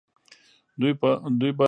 دوی به سخي او دینداره ښودل کېدل.